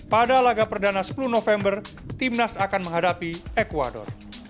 pada laga perdana sepuluh november timnas akan menghadapi ecuador